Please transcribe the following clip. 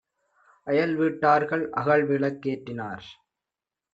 அயல்வீட் டார்கள் அகல்விளக் கேற்றினார்.